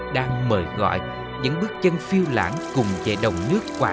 đang mời gọi những bước chân phiêu lãng cùng về đồng nước quà dịp